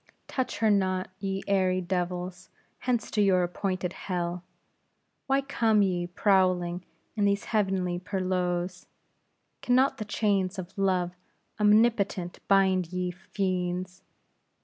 Touch her not, ye airy devils; hence to your appointed hell! why come ye prowling in these heavenly perlieus? Can not the chains of Love omnipotent bind ye, fiends?"